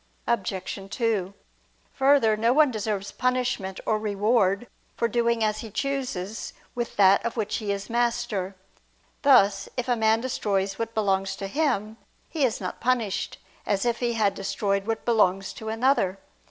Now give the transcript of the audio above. Obj. 2: Further, no one deserves punishment or reward for doing as he chooses with that of which he is master: thus if a man destroys what belongs to him, he is not punished, as if he had destroyed what belongs to another.